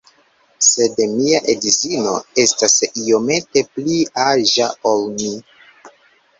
Sed mia edzino estas iomete pli aĝa ol mi